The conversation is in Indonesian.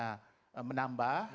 kemuliaan keterampilannya menambah